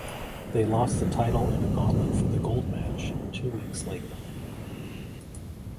They lost the title in a Gauntlet for the Gold match two weeks later.